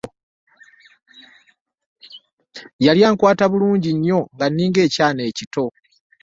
Yali ankwata bulungi nnyo nga nninga ekyana ekito.